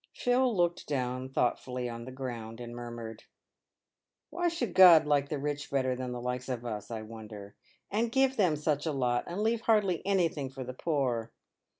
Phil looked down thoughtfully on the ground, and murmured: " Why should God like the rich better than the likes of us, I wonder, and give them such a lot, and leave hardly anything for the poor!"